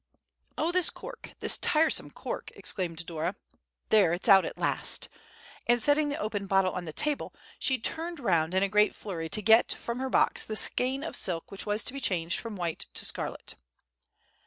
"Oh, this cork, this tiresome cork!" exclaimed Dora; "there, it's out at last;" and setting the opened bottle on the table, she turned round in a great flurry to get from her box the skein of silk which was to be changed from white to scarlet.